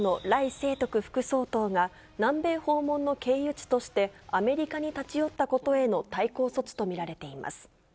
清徳副総統が、南米訪問の経由地として、アメリカに立ち寄ったことへの対抗措置と見られています。